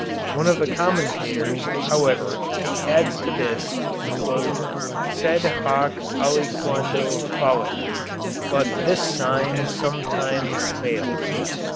One of the commentators, however, adds to this "sed hoc aliquando fallit but this sign sometimes fails."